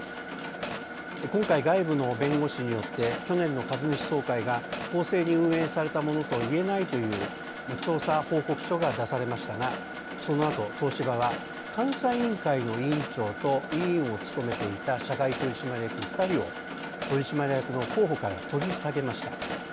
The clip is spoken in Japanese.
今回外部の弁護士によって去年の株主総会が公正に運営されたものといえないという調査報告書が出されましたがそのあと東芝は監査委員会の委員長と委員を務めていた社外取締役２人を取締役の候補から取り下げました。